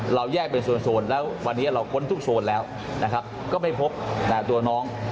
เราแยกเป็นโซนแล้ววันนี้เราค้นทุกโซนแล้วนะครับก็ไม่พบตัวน้อง